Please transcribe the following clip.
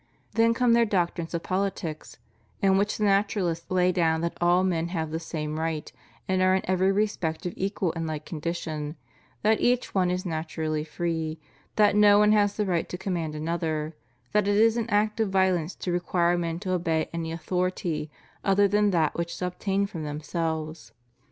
Then come their doctrines of politics, in which the Naturalists lay down that all men have the same right, and are in every respect of equal and like condition; that each one is naturally free; that no one has the right to command another; that it is an act of violence to require men to obey any authority other than that which is obtained from themselves.